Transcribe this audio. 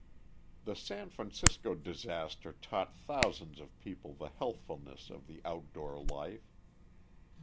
The San Francisco disaster taught thousands of people the healthfulness of the outdoor life.